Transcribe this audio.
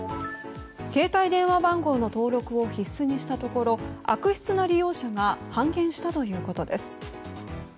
携帯電話番号の登録を必須にしたところ悪質な利用者が半減したということです。